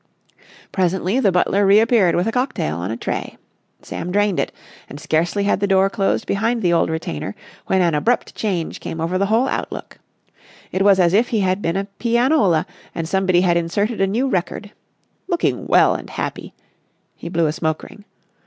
Presently the butler reappeared with a cocktail on a tray. Sam drained it, and scarcely had the door closed behind the old retainer when an abrupt change came over the whole outlook. It was as if he had been a pianola and somebody had inserted a new record. Looking well and happy! He blew a smoke ring.